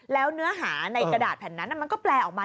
แล้วเนื้อหาในกระดาษแผ่นนั้นมันก็แปลออกมา